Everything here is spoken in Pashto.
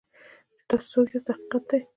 چې تاسو څوک یاست دا حقیقت دی.